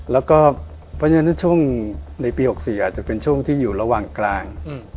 แล้วก็เพราะฉะนั้นในช่วงในปี๖๔อาจจะเป็นช่วงที่อยู่ระหว่างกลาง